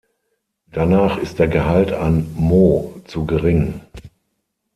Danach ist der Gehalt an Mo zu gering.